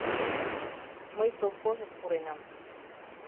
Мый совхозыш пуренам.